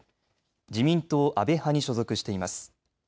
自民党安倍派に所属しています。